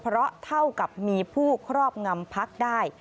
เพราะเท่ากับมีผู้ครอบงำพักได้